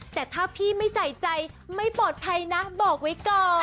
แต่ถ้าพี่ไม่ใส่ใจไม่ปลอดภัยนะบอกไว้ก่อน